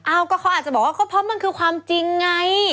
เขาอาจจะบอกว่าก็เพราะมันคือความจริงไง